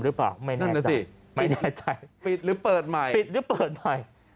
หรือเปล่าไม่แน่ใจปิดหรือเปิดใหม่